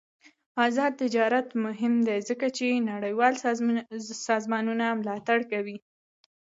آزاد تجارت مهم دی ځکه چې نړیوال سازمانونه ملاتړ کوي.